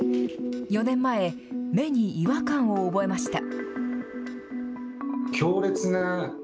４年前、目に違和感を覚えました。